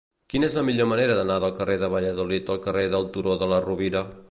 Quina és la millor manera d'anar del carrer de Valladolid al carrer del Turó de la Rovira?